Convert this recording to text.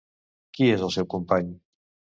Qui és el seu company?